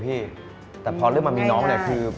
เพราะฉะนั้นถ้าใครอยากทานเปรี้ยวเหมือนโป้แตก